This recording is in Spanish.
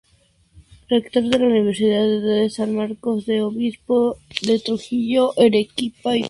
Rector de la Universidad de San Marcos y obispo de Trujillo, Arequipa y Cuzco.